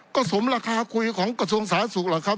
ก็สมราคาคุยของกระทรวงสาสุขหรอกครับ